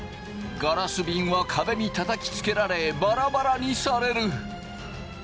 ガラスびんは壁にたたきつけられバラバラにされる。